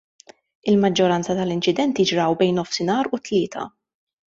Il-maġġoranza tal-inċidenti ġraw bejn nofsinhar u t-tlieta.